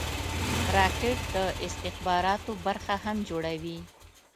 راکټ د استخباراتو برخه هم جوړوي